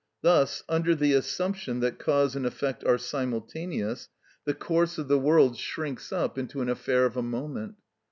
Thus, under the assumption that cause and effect are simultaneous, the course of the world shrinks up into an affair of a moment.